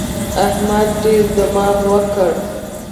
احمد ډېر دماغ وکړ.